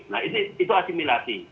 nah itu asimilasi